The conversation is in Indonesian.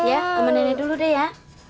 ya temen nenek dulu deh ya